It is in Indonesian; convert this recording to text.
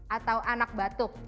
atau anak batuk